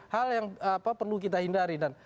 hal yang perlu kita hindari dan